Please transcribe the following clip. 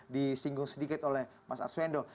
disinggung sedikit oleh mas arswendo